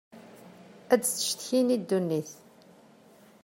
Ad d-ttcetkin i ddunit.